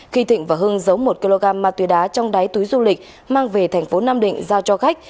khi thịnh và hương giấu một kg ma túy đá trong đáy túy du lịch mang về tp nam định giao cho khách